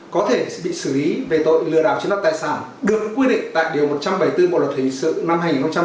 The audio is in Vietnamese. có thể bị xử lý về tội lừa đảo chiếm đoạt tài sản được quy định tại điều một trăm bảy mươi bốn bộ luật hình sự năm hai nghìn một mươi năm